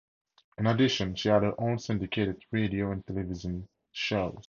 In addition, she had her own syndicated radio and television shows.